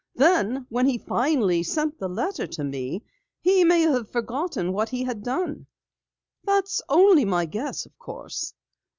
Then when he finally sent the letter to me, he may have forgotten what he had done. That's only my guess, of course.